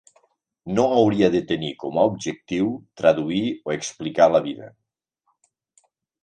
No hauria de tenir com a objectiu traduir o explicar la vida.